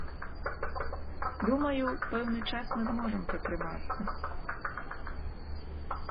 Думаю, пэўны час мы зможам пратрымацца.